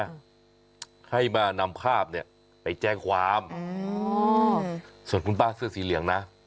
ให้มานำภาพเนี่ยไปแจ้งความอืมส่วนคุณป้าเสื้อสีเหลืองนะ